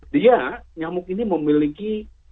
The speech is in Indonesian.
dia nyamuk ini memiliki